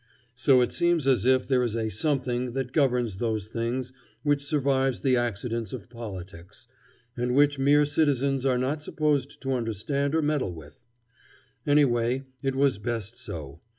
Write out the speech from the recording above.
So that it seems as if there is a something that governs those things which survives the accidents of politics, and which mere citizens are not supposed to understand or meddle with. Anyway, it was best so.